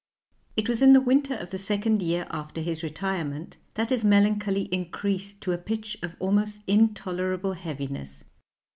It was in the winter of the second year after his retirement that his melancholy increased to a pitch of almost intolerable heaviness.